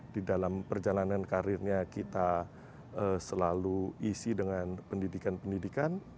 di dalam perjalanan karirnya kita selalu isi dengan pendidikan pendidikan